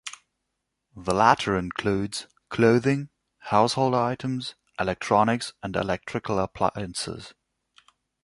The latter includes: clothing, household items, electronics and electrical appliances.